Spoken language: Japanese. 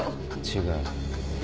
違う。